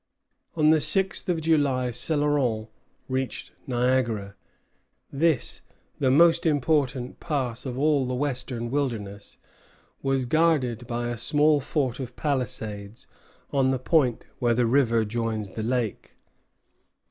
On the sixth of July Céloron reached Niagara. This, the most important pass of all the western wilderness, was guarded by a small fort of palisades on the point where the river joins the lake.